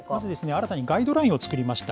新たにガイドラインを作りました。